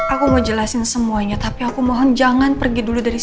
aku mau jelasin semuanya tapi aku mohon jangan pergi dulu dari sini